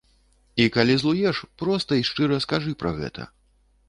І калі злуеш, проста і шчыра скажы пра гэта.